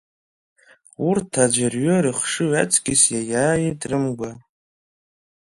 Урҭ аӡәырҩы рыхшыҩ ацкьыс иаиааит рымгәа.